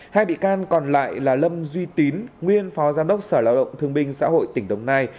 hai bị can còn lại là lâm duy tín nguyên phó giám đốc sở lao động thương binh xã hội tỉnh đồng nai